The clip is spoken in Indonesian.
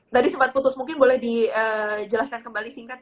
tadi sempat putus mungkin boleh dijelaskan kembali singkat